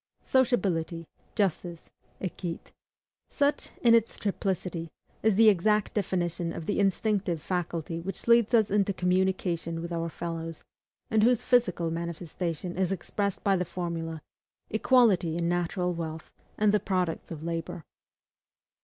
SOCIABILITY, JUSTICE, EQUITE such, in its triplicity, is the exact definition of the instinctive faculty which leads us into communication with our fellows, and whose physical manifestation is expressed by the formula: EQUALITY IN NATURAL WEALTH, AND THE PRODUCTS OF LABOR.